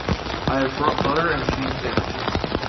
I have brought butter and cheese sandwiches.